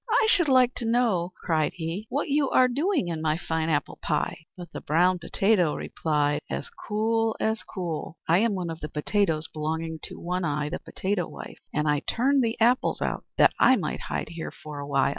"I should like to know," cried he, "what are you doing in my fine apple pie." But the brown potato replied, as cool as cool, "I am one of the potatoes belonging to One Eye, the potato wife, and I turned the apples out, that I might hide here a while.